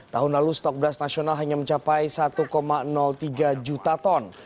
tahun lalu stok beras nasional hanya mencapai satu tiga juta ton